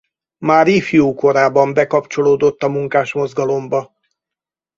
Már ifjúkorában bekapcsolódott a munkásmozgalomba.